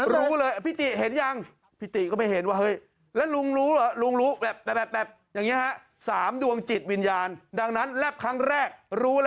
รู้ขนาดนั้นแหละ